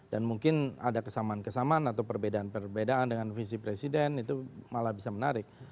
dan mungkin ada kesamaan kesamaan atau perbedaan perbedaan dengan visi presiden itu malah bisa menarik